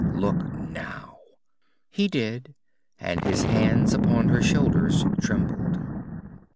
Look now!" He did, and his hands upon her shoulders trembled.